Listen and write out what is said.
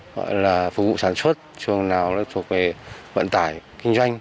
gọi là phục vụ sản xuất xuồng nào thuộc về vận tải kinh doanh